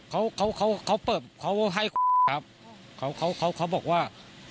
เขาเขาเขาเปิดเขาให้ความครับเขาเขาเขาเขาบอกว่า